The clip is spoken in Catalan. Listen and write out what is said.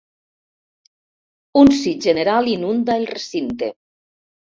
Un sí general inunda el recinte.